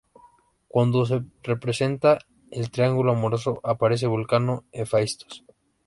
Cuando se representa el triángulo amoroso, aparece Vulcano-Hefaistos.